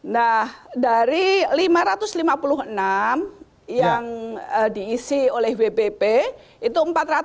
nah dari lima ratus lima puluh enam yang diisi oleh wbp itu empat ratus